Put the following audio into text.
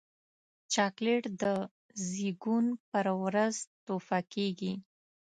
چاکلېټ د زیږون پر ورځ تحفه کېږي.